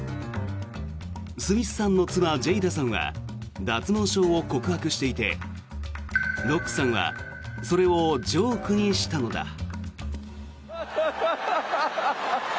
スミスさんの妻・ジェイダさんは脱毛症を告白していてロックさんはそれをジョークにしたのだ。